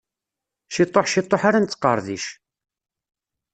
Ciṭuḥ ciṭuḥ ara nettqerḍic.